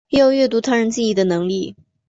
也有阅读他人记忆的能力。